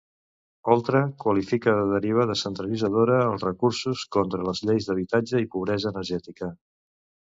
Oltra qualifica de deriva descentralitzadora els recursos contra les lleis d'habitatge i pobresa energètica.